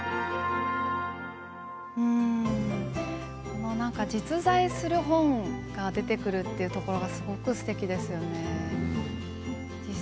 この実在する本が出てくるというところがすごくすてきですよね。